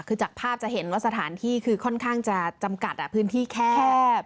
คือจากภาพจะเห็นว่าสถานที่คือค่อนข้างจะจำกัดพื้นที่แคบ